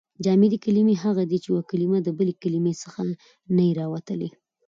جامدي کلیمې هغه دي، چي یوه کلیمه د بلي کلیمې څخه نه يي راوتلي.